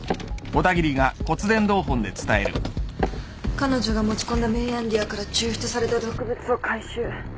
彼女が持ち込んだメイアンディアから抽出された毒物を回収。